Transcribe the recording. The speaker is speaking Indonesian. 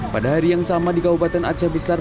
pada hari yang sama di kabupaten aceh besar